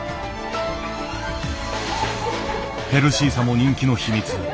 ヘルシーさも人気の秘密。